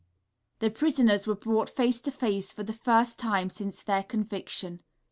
The prisoners were brought face to face for the first time since their conviction.